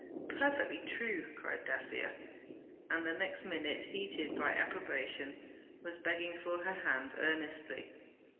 'Perfectly true!' cried Dacier; and the next minute, heated by approbation, was begging for her hand earnestly.